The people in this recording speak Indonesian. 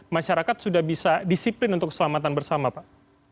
masyarakat sudah bisa disiplin untuk keselamatan bersama pak